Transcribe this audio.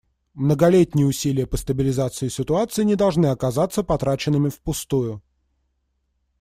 Многолетние усилия по стабилизации ситуации не должны оказаться потраченными впустую.